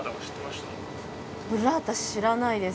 ブッラータ知らないです